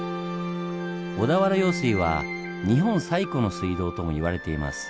小田原用水は「日本最古の水道」とも言われています。